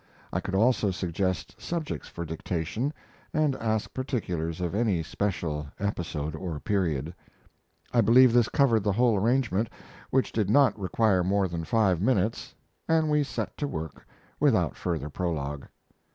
I could also suggest subjects for dictation, and ask particulars of any special episode or period. I believe this covered the whole arrangement, which did not require more than five minutes, and we set to work without further prologue.